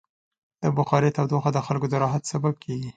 د بخارۍ تودوخه د خلکو د راحت سبب کېږي.